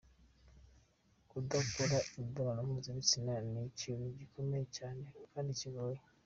Kudakora imibonano mpuzabitsina ni ikintu gikomeye cyane kandi kigoye.